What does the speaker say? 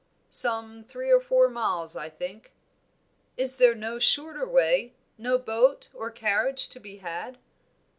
"Some three or four miles, I think." "Is there no shorter way? no boat or carriage to be had?"